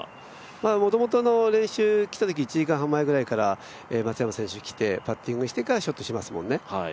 もともと練習来たとき、１時間半くらい前から松山選手来て、パッティングしてからショットしますもんね。